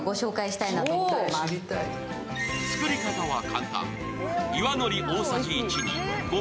作り方は簡単。